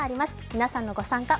皆さんのご参加